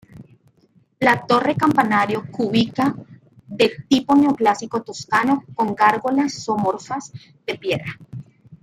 La torre campanario cúbica de tipo neoclásico toscano, con gárgolas zoomorfas de piedra.